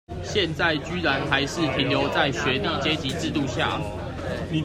現在居然還是停留在學歷階級制度下？